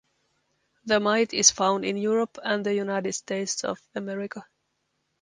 The mite is found in Europe and the United States of America.